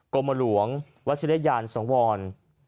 กรมหลวงวัชิริยานสังวร